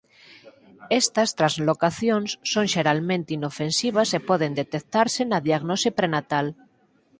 Estas translocacións son xeralmente inofensivas e poden detectarse na diagnose prenatal.